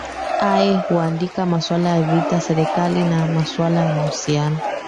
aye huandika maswala ya vita serikali na maswala ya mahusiano